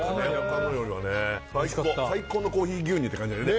はい最高のコーヒー牛乳って感じだよね